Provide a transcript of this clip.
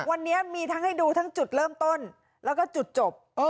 วันนี้มีทั้งให้ดูทั้งจุดเริ่มต้นแล้วก็จุดจบ